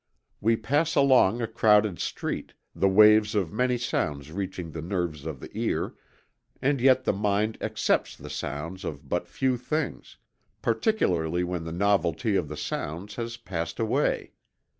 We pass along a crowded street, the waves of many sounds reaching the nerves of the ear, and yet the mind accepts the sounds of but few things, particularly when the novelty of the sounds has passed away.